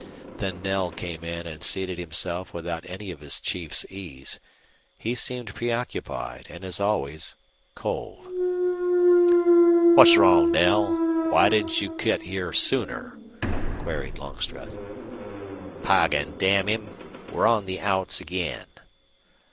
Then Knell came in and seated himself without any of his chief's ease. He seemed preoccupied and, as always, cold. "What's wrong, Knell? Why didn't you get here sooner?" queried Longstreth. "Poggin, damn him! We're on the outs again."